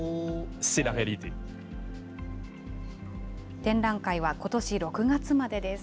展覧会はことし６月までです。